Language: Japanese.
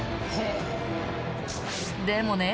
でもね